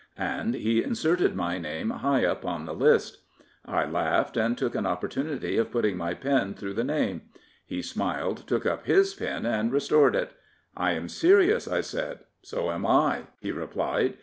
And he inserted my name high up on the list. I laughed and took an opportunity of putting my pen through the name. He smiled, took up his pen, and restored it. " I am serious," I said. " So am I," he replied.